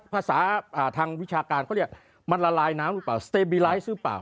ภาษาทางวิชาการเขาเรียกมันละลายน้ำหรือเปล่าสเตบีไลท์หรือเปล่า